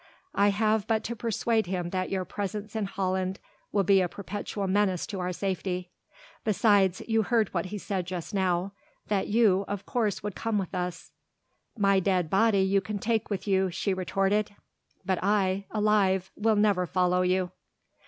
I have but to persuade him that your presence in Holland will be a perpetual menace to our safety. Besides, you heard what he said just now; that you, of course, would come with us." "My dead body you can take with you," she retorted, "but I alive will never follow you."